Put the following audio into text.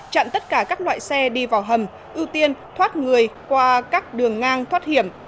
chặn tất cả các loại xe đi vào hầm ưu tiên thoát người qua các đường ngang thoát hiểm